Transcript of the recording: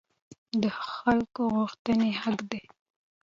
د خلکو غوښتنې حق دي